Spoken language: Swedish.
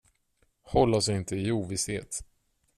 Håll oss inte i ovisshet.